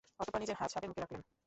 অতঃপর নিজের হাত সাপের মুখে রাখলেন।